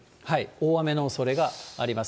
大雨のおそれがあります。